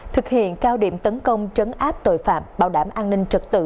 thực hiện cao điểm tấn công trấn áp tội phạm bảo đảm an ninh trật tự